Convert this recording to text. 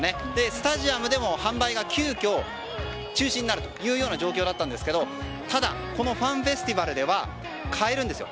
スタジアムでも販売が急きょ中止になるという状況だったんですがただこのファンフェスティバルでは買えるんです。